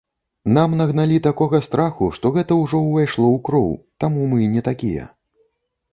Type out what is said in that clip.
Нам нагналі такога страху, што гэта ўжо ўвайшло ў кроў, таму мы не такія.